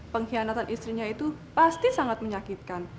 pengkhianatan istrinya itu pasti sangat menyakitkan